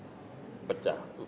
bukan saja nggak pecah